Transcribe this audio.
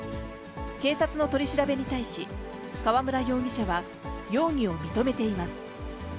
警察の取り調べに対し、川村容疑者は容疑を認めています。